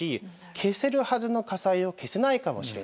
消せるはずの火災を消せないかもしれない。